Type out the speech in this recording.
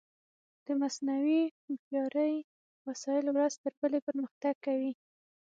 د مصنوعي هوښیارۍ وسایل ورځ تر بلې پرمختګ کوي.